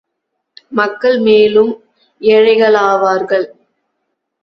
மக்கள் மேலும் ஏழைகளாவார்கள்.